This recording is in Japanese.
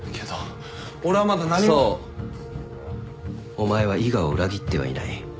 お前は伊賀を裏切ってはいない。